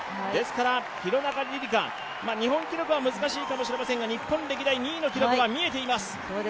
廣中璃梨佳、日本記録は難しいかもしれませんが日本歴代２位の記録は見えています